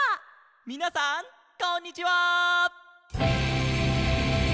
みなさんこんにちは！